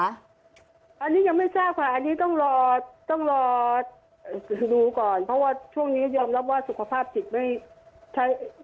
อันนี้ยังไม่ทราบค่ะอันนี้ต้องรอต้องรอดูก่อนเพราะว่าช่วงนี้ยอมรับว่าสุขภาพจิตไม่ใช้